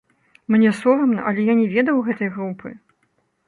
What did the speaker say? Мне сорамна, але я не ведаў гэтай групы.